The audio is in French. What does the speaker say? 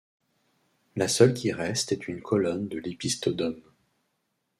La seule qui reste est une colonne de l'opisthodome.